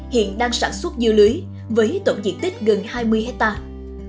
hiện đang sản xuất dưa lưới với tổng diện tích gần hai mươi hectare